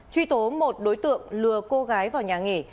truy tố một đối tượng lừa cô gái vào nhà nghỉ